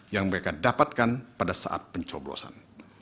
yang mereka dapatkan pada saat pencoblosan